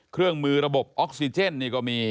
เครื่องมือระบบออกซิเจนนี่ก็มี